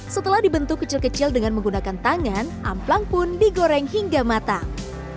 setelah dibentuk kecil kecil dengan menggunakan tangan amplang pun digoreng hingga matang